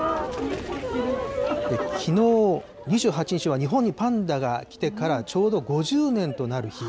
きのう２８日は、日本にパンダが来てからちょうど５０年となる日。